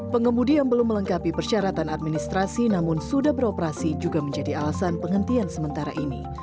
pengemudi yang belum melengkapi persyaratan administrasi namun sudah beroperasi juga menjadi alasan penghentian sementara ini